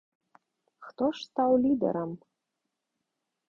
Хто ж стаў лідарам?